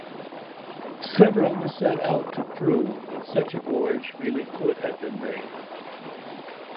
Severin set out to prove that such a voyage really could have been made.